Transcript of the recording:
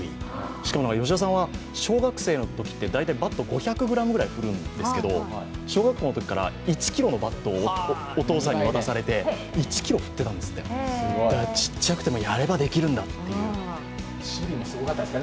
しかも、吉田さんは小学生のときって、バットは５００ｇぐらい振るんですが小学校のときから１ｋｇのバットをお父さんに渡されて、１ｋｇ振っていたんですって、ちっちゃくてもやればできるんだって。